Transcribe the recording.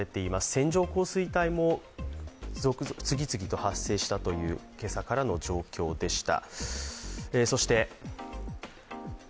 線状降水帯も次々と発生したという今朝からの状況でした。